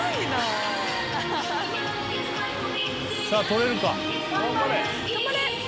さぁ取れるか？